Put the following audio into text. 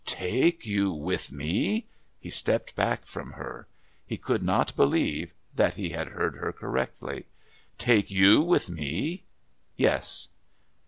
"Take you with me!" He stepped back from her. He could not believe that he had heard her correctly. "Take you with me?" "Yes."